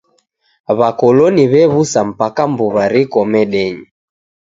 W'akoloni wew'usa mpaka mbuw'a riko medenyi.